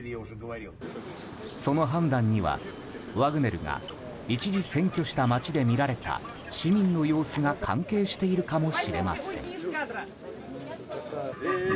その判断には、ワグネルが一時占拠した街で見られた市民の様子が関係しているかもしれません。